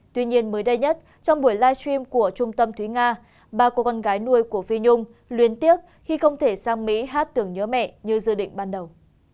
tuy nhiên mới đây nhất trong buổi live stream của trung tâm thúy nga ba cô con gái nuôi của phi nhung luyến tiếc khi không thể sang mỹ hát tưởng nhớ mẹ như dự định ban đầu